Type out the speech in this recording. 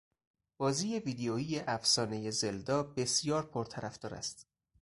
بازی ویدیویی افسانهٔ زلدا بسیار پرطرفدار است.